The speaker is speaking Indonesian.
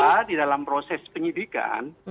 karena di dalam proses penyidikan